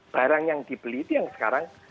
barang yang dibeli itu yang sekarang